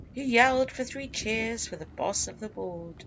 Who yelled for three cheers for the Boss of the board.